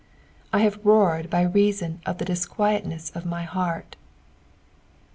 "/ have roared by reaton, of the dufvUtneu of my heart."